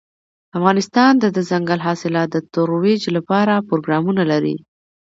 افغانستان د دځنګل حاصلات د ترویج لپاره پروګرامونه لري.